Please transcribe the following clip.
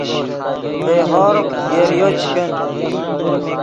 ڤئے ہورغ یریو چے کن